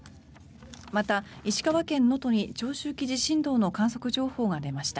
また、石川県能登に長周期地震動の観測情報が出ました。